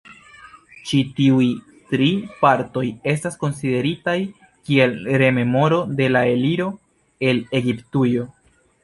Ĉi tiuj tri partoj estas konsideritaj kiel rememoro de la eliro el Egiptujo.